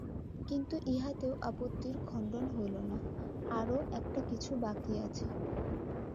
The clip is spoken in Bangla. কিন্তু ইহাতেও আপত্তির খণ্ডন হইল না, আরো-একটা কিছু বাকি আছে।